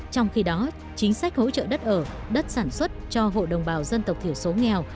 trong khi đó chính sách hỗ trợ đất ở đất sản xuất cho hộ đồng bào dân tộc thiểu số nghèo